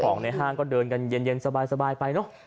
ของในห้างก็เดินกันเย็นสบายไปเนอะ